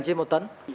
trên một tấn